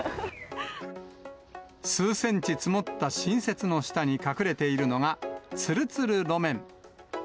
数センチ積もった新雪の下に隠れているのが、つるつる路面。